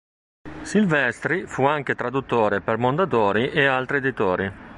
Silvestri fu anche traduttore per Mondadori e altri editori.